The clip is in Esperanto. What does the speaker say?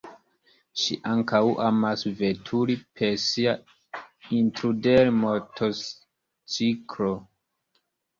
Ŝi ankaŭ amas veturi per sia Intruder-motorciklo.